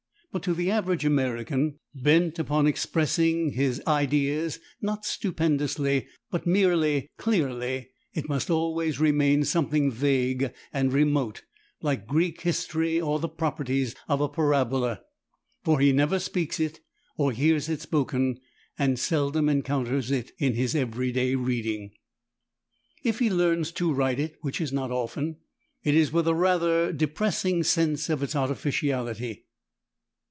But to the average American, bent upon expressing his ideas, not stupendously but merely clearly, it must always remain something vague and remote, like Greek history or the properties of the parabola, for he never speaks it or hears it spoken, and seldom encounters it in his everyday reading. If he learns to write it, which is not often, it is with a rather depressing sense of its artificiality.